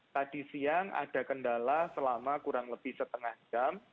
tadi siang ada kendala selama kurang lebih setengah jam